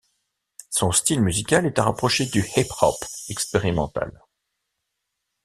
Son style musical est à rapprocher du hip-hop expérimental.